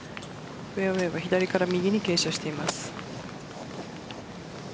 フェアウエーは左から右に傾斜しています。